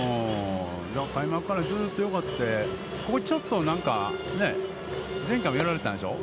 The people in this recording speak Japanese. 開幕からずっとよくてここちょっとなんか、前回もやられたんでしょう。